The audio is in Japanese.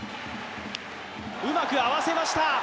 うまく合わせました。